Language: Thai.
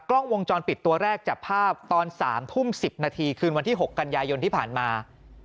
กล้องวงจรปิดตัวแรกจับภาพตอน๓ทุ่ม๑๐นาทีคืนวันที่๖กันยายนที่ผ่านมา